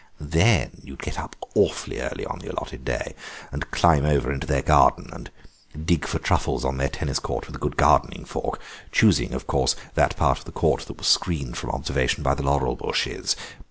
Then you'd get up awfully early on the allotted day and climb over into their garden and dig for truffles on their tennis court with a good gardening fork, choosing, of course, that part of the court that was screened from observation by the laurel bushes.